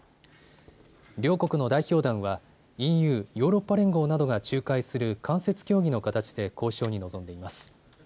両国の代表団はＥＵ・ヨーロッパ連合などが仲介する間接協議の形で交渉に臨んでいます。